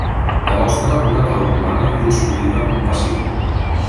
Demostra una calor humana i un somriure compassiu.